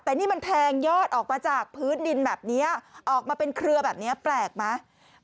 แต่นี่มันแทงยอดออกมาจากพื้นดินแบบนี้ออกมาเป็นเครือแบบนี้แปลกไหม